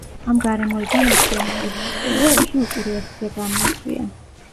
ამ გარემოებამ ათიანი წლების ლიტერატურაში უკურეაქცია გამოიწვია.